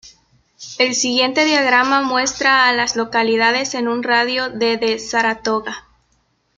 El siguiente diagrama muestra a las localidades en un radio de de Saratoga.